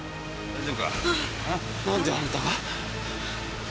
何であんたが？